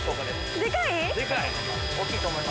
でかい！